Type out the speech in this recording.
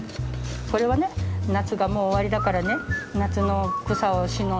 これはね夏がもう終わりだからね夏の草をしの。